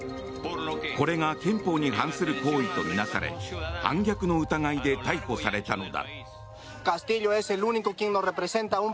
これが憲法に反する行為と見なされ反逆の疑いで逮捕されたのだ。